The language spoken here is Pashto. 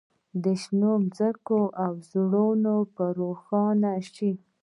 شینې ځمکې او زړونه په روښانه شي.